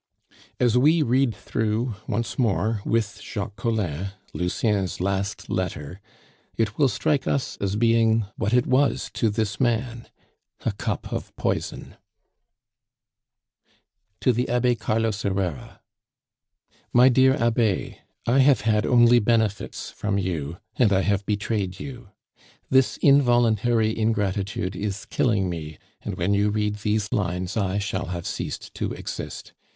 As we read through once more, with Jacques Collin, Lucien's last letter, it will strike us as being what it was to this man a cup of poison: "To the Abbe Carlos Herrera. "MY DEAR ABBE, I have had only benefits from you, and I have betrayed you. This involuntary ingratitude is killing me, and when you read these lines I shall have ceased to exist.